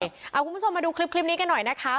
คุณผู้ชมมาดูคลิปนี้กันหน่อยนะคะ